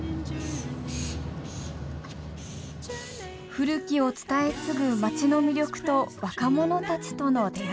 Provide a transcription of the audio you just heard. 古きを伝え継ぐ町の魅力と若者たちとの出会い。